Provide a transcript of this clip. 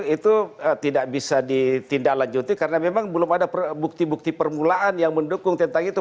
itu tidak bisa ditindaklanjuti karena memang belum ada bukti bukti permulaan yang mendukung tentang itu